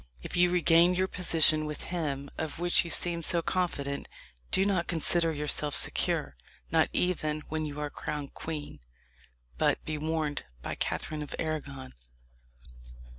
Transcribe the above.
If you regain your position with him, of which you seem so confident, do not consider yourself secure not even when you are crowned queen but be warned by Catherine of Arragon."